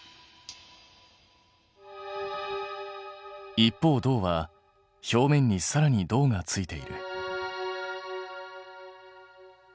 一方銅は表面にさらに銅がついている。